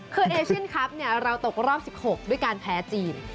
คือเอเชียนคลับเราตกรอบ๑๖ด้วยการแพ้จีน